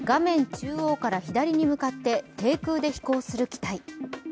中央から左に向かって低空で飛行する機体。